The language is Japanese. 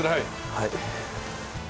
はい。